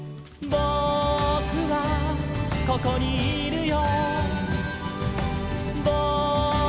「ぼくはここにいるよ」